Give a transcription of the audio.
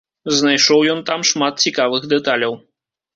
Знайшоў ён там шмат цікавых дэталяў.